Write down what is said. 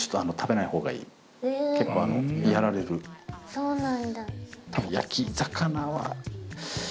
そうなんだ。